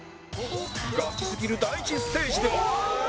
ガチすぎる第１ステージでは